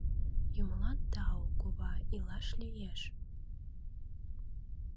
Юмылан тау, кува, илаш лиеш.